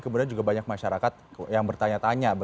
kemudian juga banyak masyarakat yang bertanya tanya